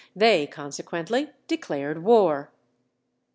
They consequently declared war.